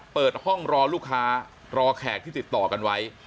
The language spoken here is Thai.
เปิดห้องรอลูกค้ารอแขกที่ติดต่อกันไว้